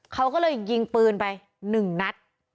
เขาก็เลยยิงปืนไปหนึ่งนัด